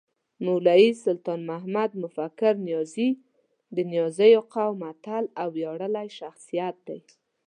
مولوي سلطان محمد مفکر نیازی د نیازيو قوم اتل او وياړلی شخصیت دی